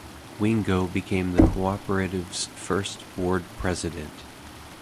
Wingo became the cooperative's first board president.